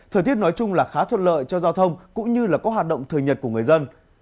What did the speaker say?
thời tiết nói chung là khá thuận lợi cho giao thông cũng như là có hoạt động thời nhật của người dân